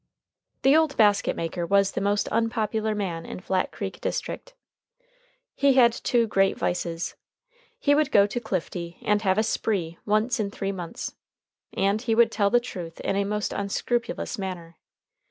The old basket maker was the most unpopular man in Flat Creek district. He had two great vices. He would go to Clifty and have a "spree" once in three months. And he would tell the truth in a most unscrupulous manner.